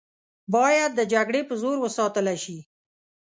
باید د جګړې په زور وساتله شي.